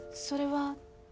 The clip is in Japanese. それは。